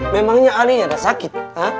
memangnya alinya udah sakit